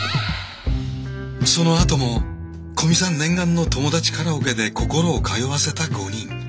そのあとも古見さん念願の友達カラオケで心を通わせた５人。